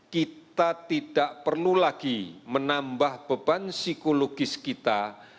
kita tidak perlu lagi menambah beban psikologis kita